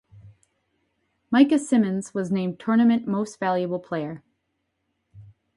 Maika Symmonds was named Tournament Most Valuable Player.